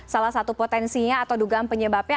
salah satu potensinya atau dugaan penyebabnya